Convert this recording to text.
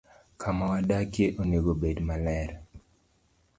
Kama wadakie onego obed maler.